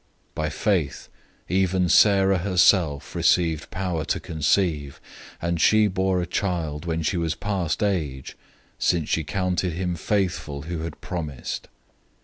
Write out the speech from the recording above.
011:011 By faith, even Sarah herself received power to conceive, and she bore a child when she was past age, since she counted him faithful who had promised.